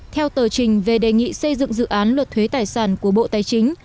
theo tờ trình về đề nghị xây dựng dự án luật thuế tài sản của bộ tài chính